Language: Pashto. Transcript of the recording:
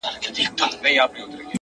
• څرخ یې وخوړ او کږه سوه ناببره,